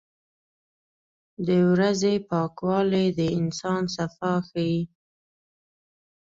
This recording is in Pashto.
• د ورځې پاکوالی د انسان صفا ښيي.